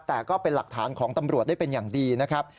แต่ก็เป็นหลักฐานของตำรวจได้เป็นอย่างดีนะครับ